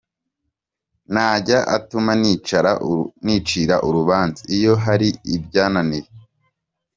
Ntajya atuma nicira urubanza iyo hari ibyananiye.